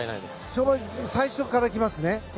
跳馬最初からいきますね。